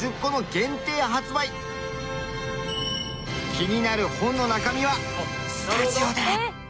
気になる本の中身はスタジオで！